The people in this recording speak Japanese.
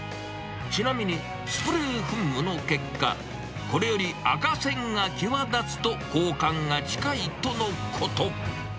ちなみに、スプレー噴霧の結果、これより赤線が際立つと、交換が近いとのこと。